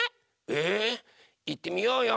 えいってみようよ。